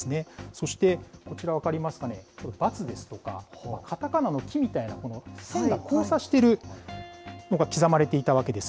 そしてこちら分かりますかね、バツですとか、カタカナのキみたいな線が交差しているのが刻まれていたわけです。